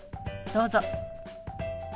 どうぞ。